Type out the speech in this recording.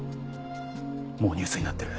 もうニュースになってる。